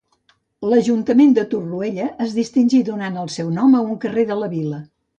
L'ajuntament de Torroella el distingí donant el seu nom a un carrer de la vila.